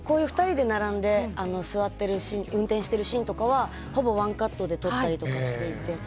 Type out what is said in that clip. ２人で並んで運転しているシーンとかはほぼワンカットで撮ったりとかしていて。